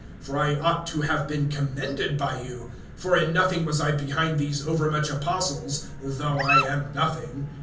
For I ought to have been commended by you; for in nothing was I behind these overmuch apostles, though I am nothing.